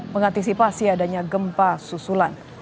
mengantisipasi adanya gempa susulan